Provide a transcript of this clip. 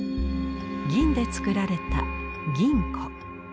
銀で作られた「銀壺」。